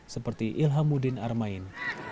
seperti ilhamuddin armain